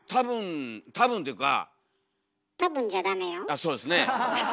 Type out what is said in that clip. あっそうですね。